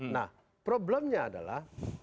nah problemnya adalah